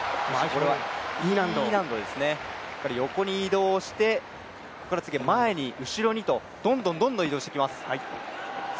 やっぱり横に移動してここから次、前に後ろにとどんどん移動していきます。